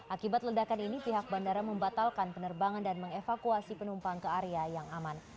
akibat ledakan ini pihak bandara membatalkan penerbangan dan mengevakuasi penumpang ke area yang aman